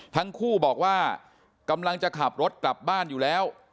ทั้งคู่บอกว่ากำลังจะขับรถกลับบ้านอยู่แล้ว